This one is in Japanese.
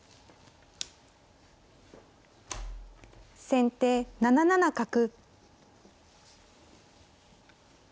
先手７七角。